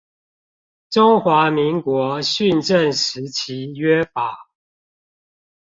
中華民國訓政時期約法